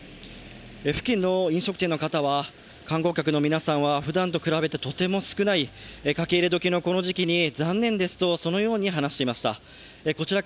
付近の飲食店の方は観光客の皆さんはふだんと比べてとても少ない、書き入れ時のこの時期に残念ですと話していました。